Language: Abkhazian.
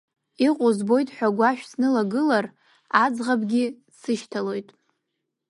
Иҟоу збоит ҳәа агәашә снылагылар аӡӷабгьы дсышьҭалоит.